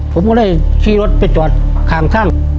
ผมก็ได้ขี่รถไปจอดข้างข้าง